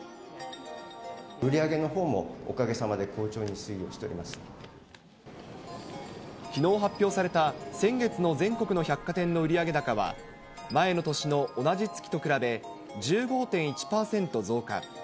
売り上げのほうもおかげさまきのう発表された、先月の全国の百貨店の売上高は、前の年の同じ月と比べ、１５．１％増加。